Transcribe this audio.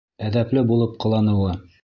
Әҙәпле булып ҡыланыуы.